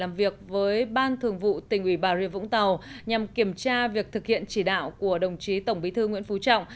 làm việc với ban thường vụ tỉnh ủy bà rịa vũng tàu nhằm kiểm tra việc thực hiện chỉ đạo của đồng chí tổng bí thư nguyễn phú trọng